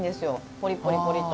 ポリポリポリと。